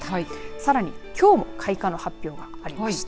さらに、きょうも開花の発表がありました。